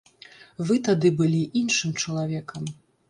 Вы тады былі іншым чалавекам.